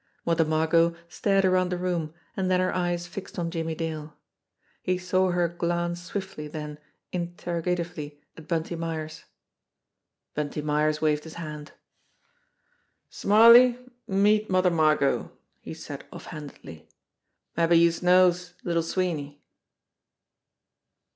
Mother Margot stared around the room, and then her eyes fixed on Jimmie Dale. He saw her glance swiftly then, in terrogatively, at Bunty Myers. Bunty Myers waved his hand. "Smarly, meet Mother Margot," he said off handedly. "Mabbe youse knows Little Sweeney."